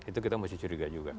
itu kita mesti curiga juga